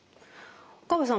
岡部さん